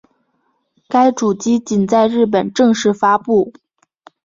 该主机仅在日本正式发布。